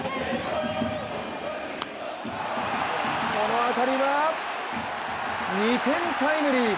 この当たりは２点タイムリー！